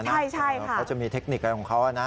ใช่ใช่ค่ะเขาจะมีเทคนิคของเค้าอ่ะนะ